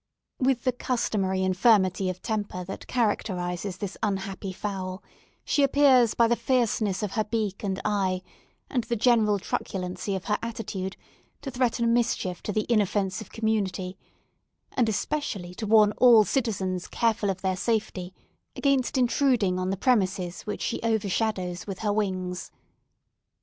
With the customary infirmity of temper that characterizes this unhappy fowl, she appears by the fierceness of her beak and eye, and the general truculency of her attitude, to threaten mischief to the inoffensive community; and especially to warn all citizens careful of their safety against intruding on the premises which she overshadows with her wings.